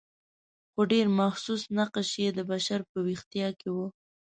خو ډېر محسوس نقش یې د بشر په ویښتیا کې و.